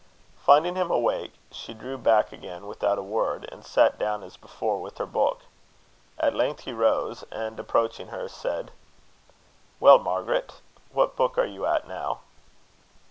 Finding him awake, she drew back again without a word, and sat down as before with her book. At length he rose, and, approaching her, said "Well, Margaret, what book are you at now?"